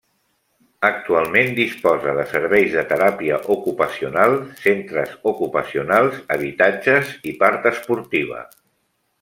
Actualment disposa de serveis de teràpia ocupacional, centres ocupacionals, habitatges i part esportiva.